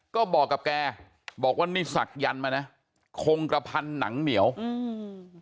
ก็บอกกับแกบอกว่านี่ศักยันต์มานะคงกระพันหนังเหนียวอืม